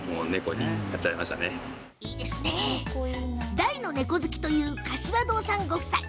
大の猫好きという柏堂さんご夫妻。